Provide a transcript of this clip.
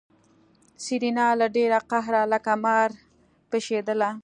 سېرېنا له ډېره قهره لکه مار پشېدله.